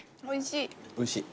おいしい。